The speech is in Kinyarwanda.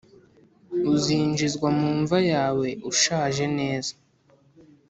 uzinjizwa mu mva yawe ushaje neza,